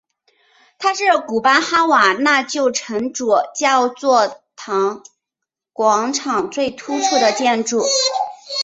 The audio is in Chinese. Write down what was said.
它是古巴哈瓦那旧城主教座堂广场最突出的建筑。